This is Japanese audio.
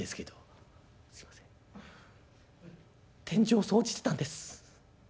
天井掃除してたんです。